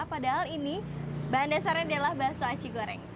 padahal ini bahan dasarnya adalah bakso aci goreng